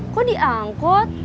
kok di angkot